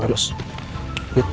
lihat disini lihat